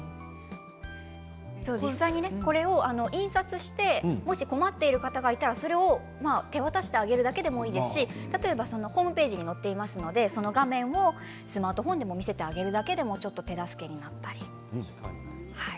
実際に印刷して困っている方がいたら手渡してあげるだけでもいいですしホームページに載っていますのでその画面をスマートフォンで見せてあげるだけでも手助けになったり。